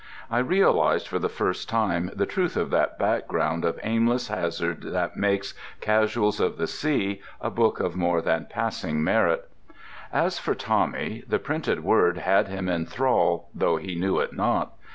I realized for the first time the truth of that background of aimless hazard that makes "Casuals of the Sea" a book of more than passing merit. As for Tommy, the printed word had him in thrall though he knew it not.